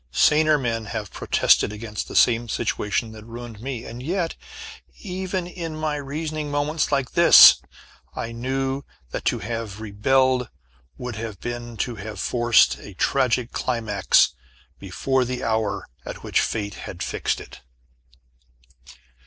Saner men have protested against the same situation that ruined me and yet, even in my reasoning moments, like this, I knew that to have rebelled would have been to have forced a tragic climax before the hour at which Fate had fixed it.